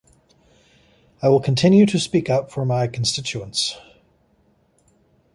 I will continue to speak up for my constituents.